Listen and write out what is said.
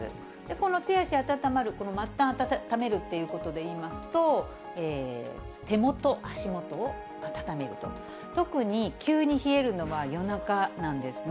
この手足温まる、この末端を温めるということでいいますと、手元、足元を温めると、特に急に冷えるのは夜中なんですね。